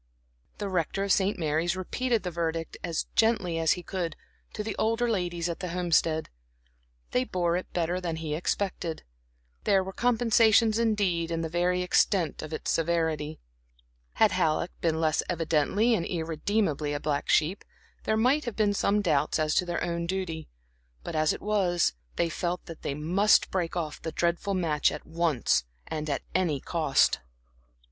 The Rector of St. Mary's repeated the verdict, as gently as he could, to the older ladies at the Homestead. They bore it better than he expected. There were compensations indeed in the very extent of its severity. Had Halleck been less evidently and irredeemably a black sheep, there might have been some doubts as to their own duty; but, as it was, they felt that they must break off the dreadful match at once, and at any cost.